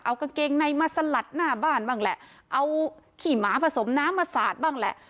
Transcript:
เอากางเกงในมาสลัดหน้าบ้านบ้างแหละเอาขี้หมาผสมน้ำมาสาดบ้างแหละ